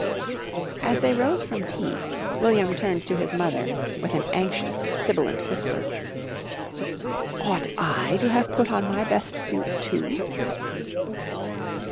As they rose from tea, William turned to his mother, with an anxious sibilant whisper, "Ought I to have put on my best suit too?"